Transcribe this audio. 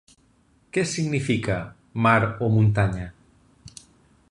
Què significa, mar o muntanya?